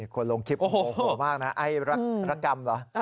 คนลงคลิปโอ้โหมากนะไอ้รักกรรมเหรอ